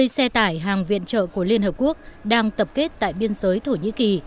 hai mươi xe tải hàng viện trợ của liên hợp quốc đang tập kết tại biên giới thổ nhĩ kỳ